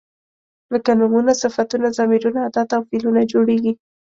لکه نومونه، صفتونه، ضمیرونه، ادات او فعلونه جوړیږي.